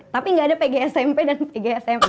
tapi gak ada pgsmp dan pgsme